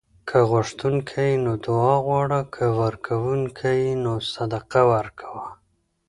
که غوښتونکی یې نو دعا غواړه؛ که ورکونکی یې نو صدقه ورکوه